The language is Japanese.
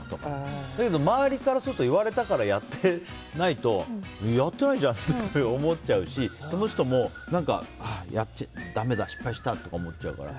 だけど、周りからすると言われたからやってないとやってないじゃんって思っちゃうし、その人もだめだ、失敗したとか思っちゃうから。